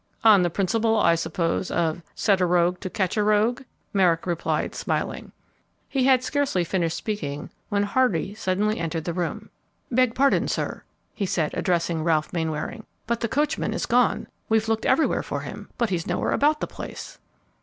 "On the principle, I suppose, of 'set a rogue to catch a rogue,'" Merrick replied, smiling. He bad scarcely finished speaking when Hardy suddenly entered the room. "Beg pardon, sir," he said, addressing Ralph Mainwaring; "but the coachman is gone! We've looked everywhere for him, but he's nowhere about the place."